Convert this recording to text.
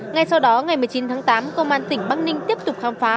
ngay sau đó ngày một mươi chín tháng tám công an tỉnh bắc ninh tiếp tục khám phá